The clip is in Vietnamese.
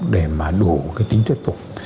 để mà đủ cái tính thuyết phục